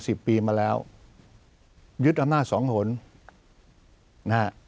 สิบปีมาแล้วยึดอำนาจสองหนนะฮะ